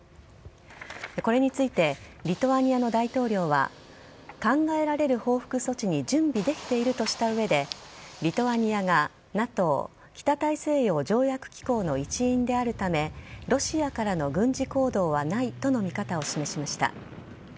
これについてリトアニアの大統領は考えられる報復措置に準備できているとした上でリトアニアがＮＡＴＯ＝北大西洋条約機構の一員であるためロシアからの軍事行動はないとの見方を示しました。